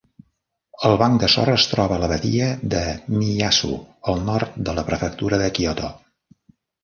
El banc de sorra es troba a la badia de Miyazu, al nord de la prefectura de Kyoto.